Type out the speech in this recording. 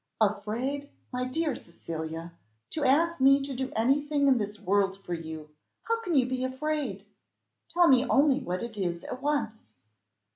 "Afraid! my dear Cecilia, to ask me to do anything in this world for you! How can you be afraid? Tell me only what it is at once."